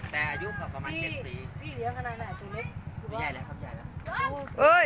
แต่อายุก็ประมาณเจ็ดปี